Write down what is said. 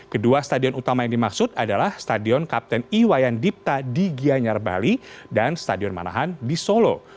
kedua stadion utama yang dimaksud adalah stadion kapten iwayan dipta di gianyar bali dan stadion manahan di solo